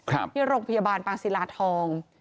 ที่โรงพยาบาลปางศิลาทอง